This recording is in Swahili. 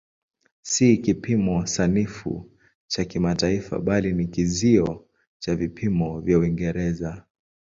Si kipimo sanifu cha kimataifa bali ni kizio cha vipimo vya Uingereza.